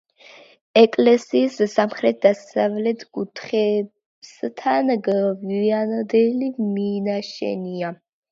ეკლესიის სამხრეთ-დასავლეთ კუთხესთან გვიანდელი მინაშენია.